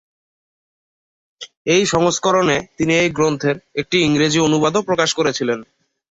এই সংস্করণে তিনি এই গ্রন্থের একটি ইংরেজি অনুবাদও প্রকাশ করেহচিলেন।